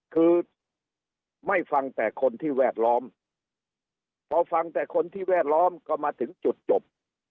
คือไม่ฟังแต่คนที่แวดล้อมพอฟังแต่คนที่แวดล้อมก็มาถึงจุดจบ